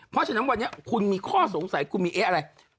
เพราะฉะนั้นวันนี้คุณมีข้อสงสัยคุณมีเอ๊ะอะไร